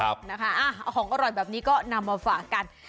ของอร่อยแบบนี้ก็นำมาฝากกัน